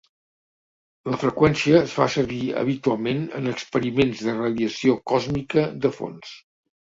La freqüència es fa servir habitualment en experiments de radiació còsmica de fons.